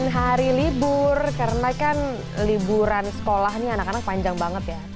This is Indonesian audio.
hari libur karena kan liburan sekolah ini anak anak panjang banget ya